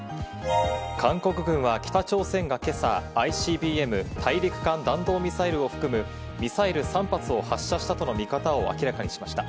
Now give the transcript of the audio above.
韓国軍は北朝鮮が今朝、ＩＣＢＭ＝大陸間弾道ミサイルを含むミサイル３発を発射したとの見方を明らかにしました。